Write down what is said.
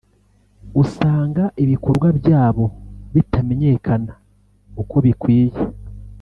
usanga ibikorwa byabo bitamenyekana uko bikwiye